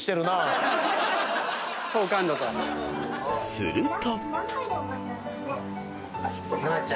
［すると］